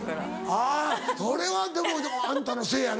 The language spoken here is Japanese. あぁそれはでもあんたのせいやな。